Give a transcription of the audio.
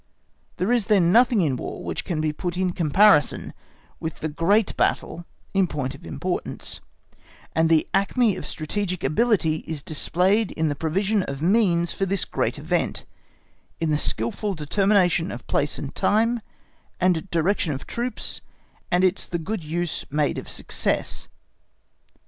There is then nothing in War which can be put in comparison with the great battle in point of importance, _and the acme of strategic ability is displayed in the provision of means for this great event, in the skilful determination of place and time, and direction of troops, and in the good use made of success.